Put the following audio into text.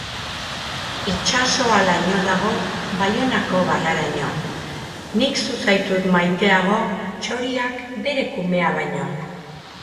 Itsasoa laino dago, Baionako barraraino. Nik zu zaitut maiteago txoriak bere kumea baino.